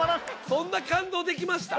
そんな感動できました？